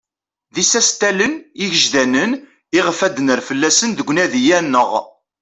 D isastalen igejdanen iɣef ad d-nerr fell-asen deg unadi-a-nneɣ.